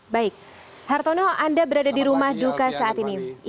baik hartono anda berada di rumah duka saat ini